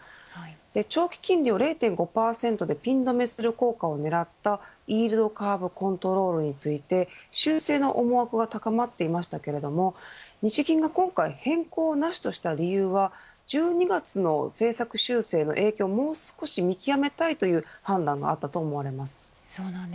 長期金利を０．５％でピン留めする効果を狙ったイールドカーブコントロールについて修正の思惑は高まっていましたけれども日銀が今回変更なしとした理由は１２月の政策修正の影響をもう少し見極めたいという判断があったと思われます。